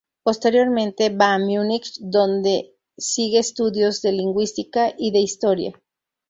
Posteriormente, va a Múnich donde sigue estudios de Lingüística y de Historia.